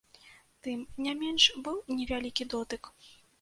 Тым не менш быў невялікі дотык.